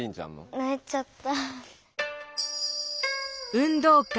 ないちゃった。